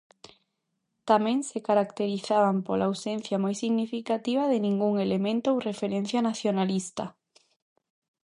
Tamén se caracterizaban pola ausencia moi significativa de ningún elemento ou referencia nacionalista.